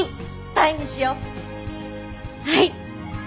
はい！